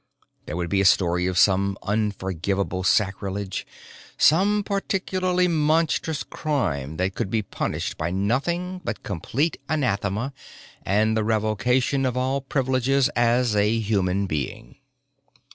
There would be a story of some unforgivable sacrilege, some particularly monstrous crime that could be punished by nothing but complete anathema and the revocation of all privileges as a human being.